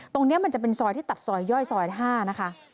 ตรงนี้มันจะเป็นซอยที่ตัดซอยย่อยซอย๕นะคะ